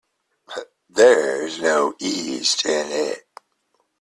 There's no east in it.